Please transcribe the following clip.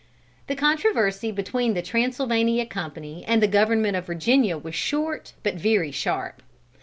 The controversy between the Transylvania Company and the Government of Virginia was short but very sharp.